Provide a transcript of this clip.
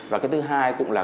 và cái thứ hai cũng là